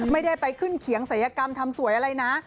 ไม่ได้ไปขึ้นเขียงศัยกรรมทำสวยอะไรนะ